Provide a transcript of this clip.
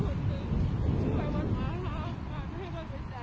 มันเสียงมากทุกคนนะถ้าพระมนุษย์ไม่มีเจสที่นี่ก็อ่าน